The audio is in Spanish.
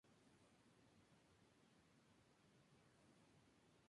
En ella usa la voz de un niño para criticar la solemnidad literaria.